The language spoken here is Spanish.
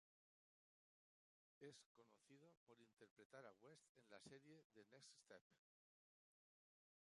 Es conocido por interpretar a West en la serie The Next Step.